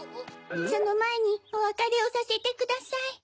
そのまえにおわかれをさせてください。